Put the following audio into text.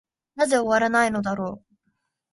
なぜ終わないのだろう。